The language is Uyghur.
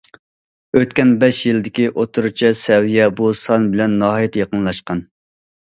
ئۆتكەن بەش يىلدىكى ئوتتۇرىچە سەۋىيە بۇ سان بىلەن ناھايىتى يېقىنلاشقان.